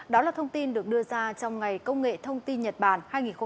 đó là thông tin được đưa ra trong ngày công nghệ thông tin nhật bản hai nghìn hai mươi